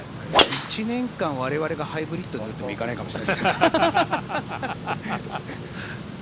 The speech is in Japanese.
１年間我々がハイブリッドで打ってもいかないかもしれないですね。